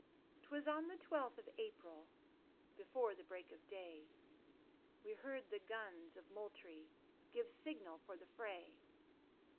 'Twas on the twelfth of April, Before the break of day, We heard the guns of Moultrie Give signal for the fray.